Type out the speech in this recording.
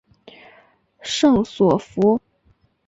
圣索弗。